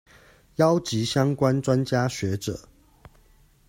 邀集相關專家學者